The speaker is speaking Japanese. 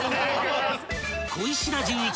［小石田純一